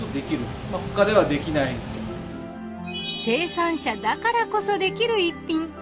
生産者だからこそできる逸品。